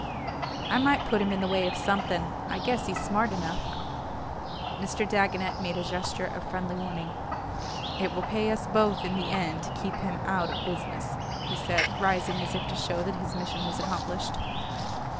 "I might put him in the way of something I guess he's smart enough." Mr. Dagonet made a gesture of friendly warning. "It will pay us both in the end to keep him out of business," he said, rising as if to show that his mission was accomplished.